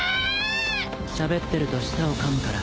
しゃべってると舌をかむから。